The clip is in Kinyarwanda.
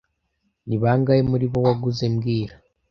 Ni bangahe muri bo waguze mbwira